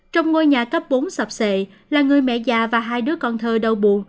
trong ngôi nhà cấp bốn sập sệ là người mẹ già và hai đứa con thơ đau buồn